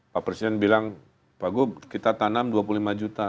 pak presiden bilang pak gub kita tanam dua puluh lima juta